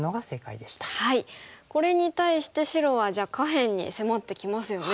これに対して白は下辺に迫ってきますよね。